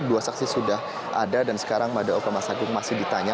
dua saksi sudah ada dan sekarang mada oka mas agung masih ditanya